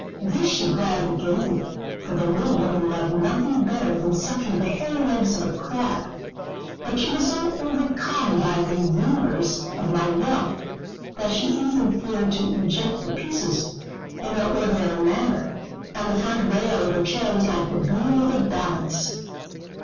This she gladly gave me, for the little woman loved nothing better than sucking the hairy legs of a crab. But she was so overcome by the rumours of my wealth, that she even feared to eject the pieces in her ordinary manner, and the front rail of her chair was like the beam of a balance.